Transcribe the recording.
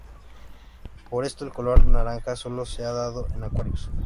Por esto, el color naranja solo se ha dado en acuarios.